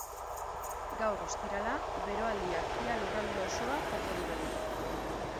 Gaur, ostirala, beroaldiak ia lurralde osoa joko du berriro.